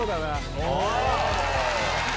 お！